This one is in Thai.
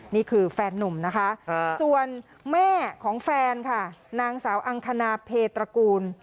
นี่คือแฟนนุ่มนะคะส่วนแม่ของแฟนค่ะนางสาวอังคณาเพตระกูล